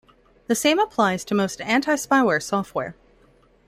The same applies to most antispyware software.